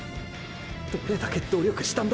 どれだけ努力したんだ